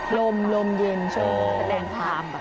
อ่อลมลมเย็นใช่มั้ยแสดงพราม